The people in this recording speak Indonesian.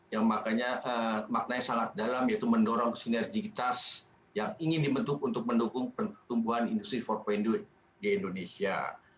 yang makanya maknanya sangat dalam yaitu mendorong sinergitas yang ingin dibentuk untuk mendukung pertumbuhan industri empat di indonesia